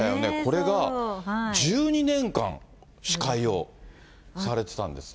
これが１２年間、司会をされてたんですっ